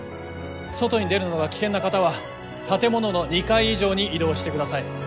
外に出るのが危険な方は建物の２階以上に移動してください。